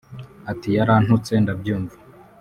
Ati “Yarantutse ndabyumva